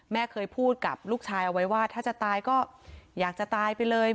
แม่เคยพูดกับลูกชายเอาไว้ว่าถ้าจะตายก็อยากจะตายไปเลย